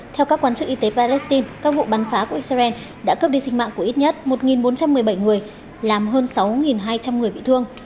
theo các quan chức y tế palestine các vụ bắn phá của israel đã cướp đi sinh mạng của ít nhất một bốn trăm một mươi bảy người làm hơn sáu hai trăm linh người bị thương